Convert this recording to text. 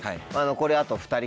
残りあと２人かな。